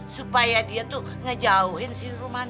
supaya dia tuh ngejauhin si romana